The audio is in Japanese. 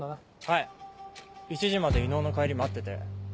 はい１時まで伊能の帰り待ってて。